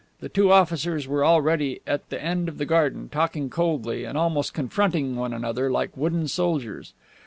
The two officers were already at the end of the garden, talking coldly, and almost confronting one another, like wooden soldiers.